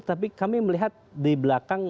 tapi kami melihat di belakang